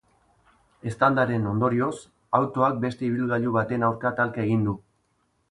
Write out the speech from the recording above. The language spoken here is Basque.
Eztandaren ondorioz, autoak beste ibilgailu baten aurka talka egin du.